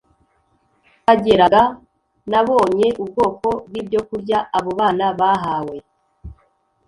cyageraga nabonye ubwoko bwibyokurya abo bana bahawe